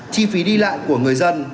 chi phí đi lại của người dân